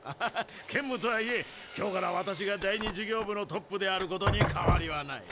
兼務とはいえ今日から私が第２事業部のトップであることに変わりはない。